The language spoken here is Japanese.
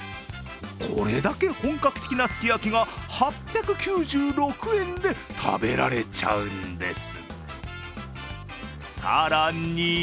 これだけ本格的なすき焼きが８９６円で食べられちゃうんです。